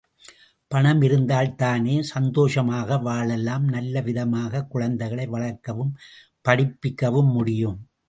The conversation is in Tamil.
பணம் இருந்தால்தானே சந்தோஷமாக வாழலாம், நல்லவிதமாகக் குழந்தைகளை வளர்க்கவும் படிப்பிக்கவும் முடியும்?